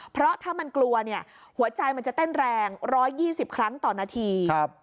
เพราะถ้ามันกลัวเนี่ยหัวใจมันจะเต้นแรง๑๒๐ครั้งต่อนาที